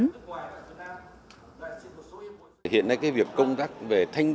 hiện nay cái việc công tác về tham nhũng